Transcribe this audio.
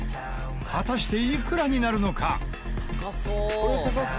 果たしていくらになるのか？